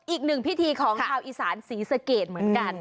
อีกหนึ่งพิธีของชาวอีสานศรีสะเกดเหมือนกัน